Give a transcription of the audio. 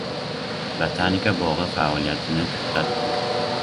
Botanika bog‘i faoliyatini to‘xtatdi